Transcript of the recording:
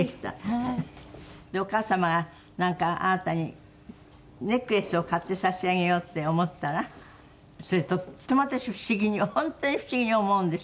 お母様がなんかあなたにネックレスを買って差し上げようって思ったらそれとっても私不思議に本当に不思議に思うんですけど